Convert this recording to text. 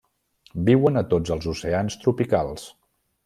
Viuen a tots els oceans tropicals.